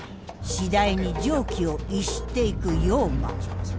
次第に常軌を逸していく陽馬。